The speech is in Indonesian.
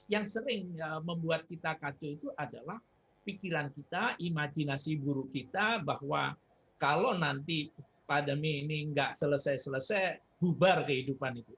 yang sering membuat kita kacau itu adalah pikiran kita imajinasi guru kita bahwa kalau nanti pandemi ini nggak selesai selesai bubar kehidupan itu